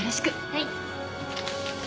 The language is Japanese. はい。